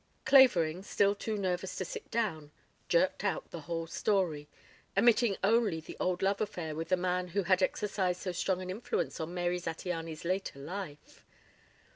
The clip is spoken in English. Clavering, still too nervous to sit down, jerked out the whole story, omitting only the old love affair with the man who had exercised so strong an influence on Mary Zattiany's later life.